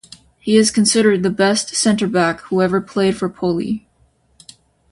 He is considered the best Centre back who ever played for Poli.